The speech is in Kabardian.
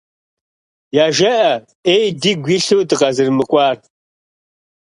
ЯжеӀэ Ӏей дигу илъу дыкъызэрымыкӀуар.